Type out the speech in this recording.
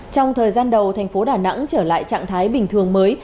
trong thời gian đầu thành phố đà nẵng trở lại trạng thái bình thường mới